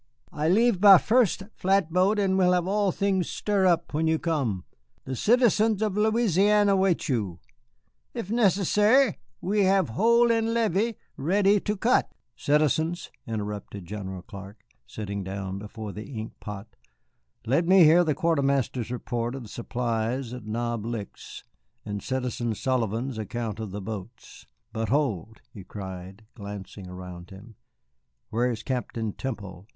I leave by first flatboat and will have all things stir up when you come. The citizens of Louisiane await you. If necessair, we have hole in levee ready to cut." "Citizens," interrupted General Clark, sitting down before the ink pot, "let us hear the Quartermaster's report of the supplies at Knob Licks, and Citizen Sullivan's account of the boats. But hold," he cried, glancing around him, "where is Captain Temple?